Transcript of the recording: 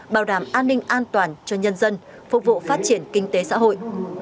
bảo đảm an ninh an toàn cho nhân dân phục vụ phát triển kinh tế xã hội